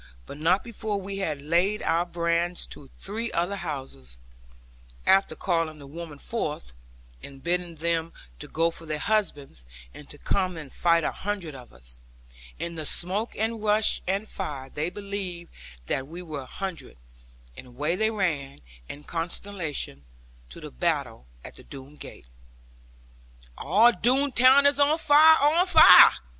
But not before we had laid our brands to three other houses, after calling the women forth, and bidding them go for their husbands, and to come and fight a hundred of us. In the smoke and rush, and fire, they believed that we were a hundred; and away they ran, in consternation, to the battle at the Doone gate. 'All Doone town is on fire, on fire!'